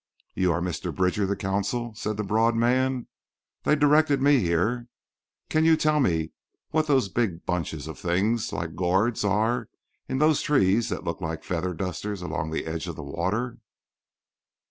"You are Mr. Bridger, the consul," said the broad man. "They directed me here. Can you tell me what those big bunches of things like gourds are in those trees that look like feather dusters along the edge of the water?"